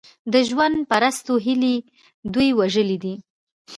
د ژوند پرستو هیلې دوی وژلي دي.